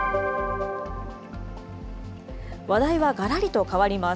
話題はがらりと変わります。